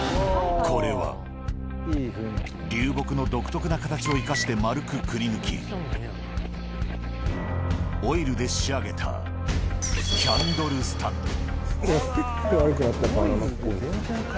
これは、流木の独特な形を生かして丸くくりぬき、オイルで仕上げたキャンドルスタンド。